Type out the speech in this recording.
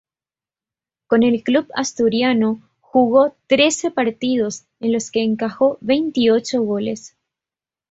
Con el club asturiano jugó trece partidos en los que encajó veintiocho goles.